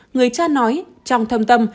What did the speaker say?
người cha nói trong thâm tâm